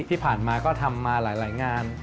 ที่ผ่านมาก็ทำมาหลายงาน